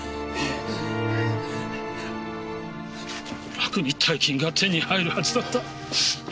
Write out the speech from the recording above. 楽に大金が手に入るはずだった。